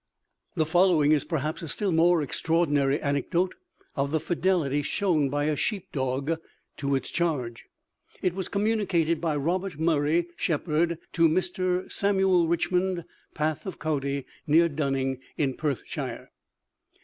The following is, perhaps, a still more extraordinary anecdote of the fidelity shown by a sheep dog to its charge. It was communicated by Robert Murray, shepherd to Mr. Samuel Richmond, Path of Coudie, near Dunning, in Perthshire.